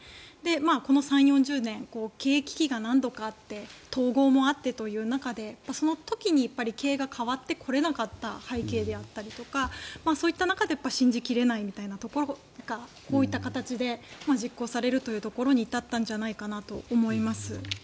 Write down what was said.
この３０４０年経営危機が何度かあって統合もあってという中でその時に経営が変わってこれなかった背景であったりとかそういった中で信じ切れないみたいなことがこういった形で実行されることに至ったんじゃないかなと思います。